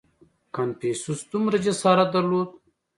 • کنفوسیوس دومره جسارت درلود.